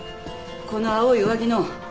この青い上着の。